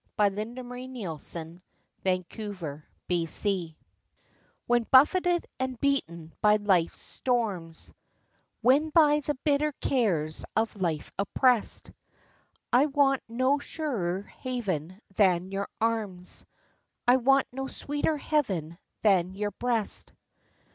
BEAUTY THAT IS NEVER OLD When buffeted and beaten by life's storms, When by the bitter cares of life oppressed, I want no surer haven than your arms, I want no sweeter heaven than your breast.